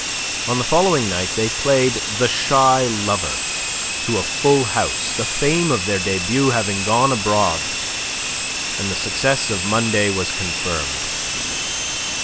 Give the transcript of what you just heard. On the following night they played "The Shy Lover" to a full house, the fame of their debut having gone abroad, and the success of Monday was confirmed.